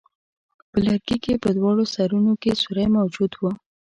په لرګي کې په دواړو سرونو کې سوری موجود وو.